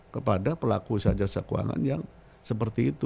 kepada pelaku sahaja sekeuangan yang seperti itu